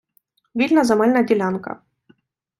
Вільна земельна ділянка.